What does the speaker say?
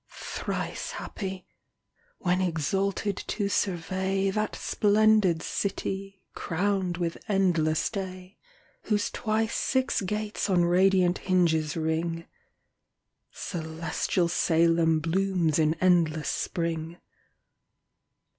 Thrice happy, when exalted to survey That splendid city, crown'd with endless day, Whose twice six gates on radiant hinges ring: Celestial Salem blooms in endless spring.